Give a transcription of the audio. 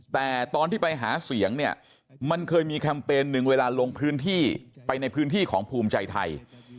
แต่ตอนที่ไปหาเสียงเนี่ยมันเคยมีแคมเปญหนึ่งเวลาลงพื้นที่ไปในพื้นที่ของภูมิใจไทย